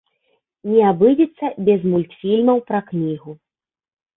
Не абыдзецца без мультфільмаў пра кнігу.